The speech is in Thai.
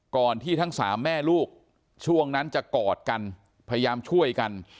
ที่ทั้งสามแม่ลูกช่วงนั้นจะกอดกันพยายามช่วยกัน